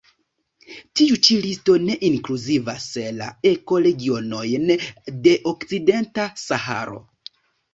Tiu ĉi listo ne inkluzivas la ekoregionojn de Okcidenta Saharo.